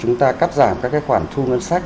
chúng ta cắt giảm các khoản thu ngân sách